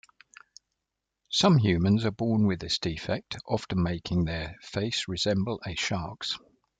Some humans are born with this defect, often making their face resemble a shark's.